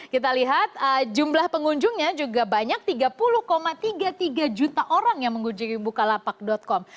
kita lihat jumlah pengunjungnya juga banyak tiga puluh tiga puluh tiga juta orang yang mengunjungi bukalapak com